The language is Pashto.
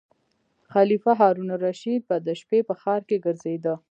خلیفه هارون الرشید به د شپې په ښار کې ګرځیده.